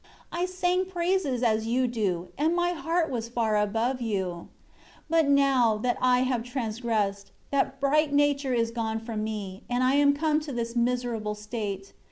I sang praises as you do; and my heart was far above you. 4 But now, that I have transgressed, that bright nature is gone from me, and I am come to this miserable state.